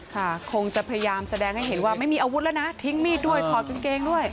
คงจะพยายามแสดงให้เห็นว่าไม่มีอาวุธแล้วนะทิ้งมีดด้วยถอดกางเกงด้วย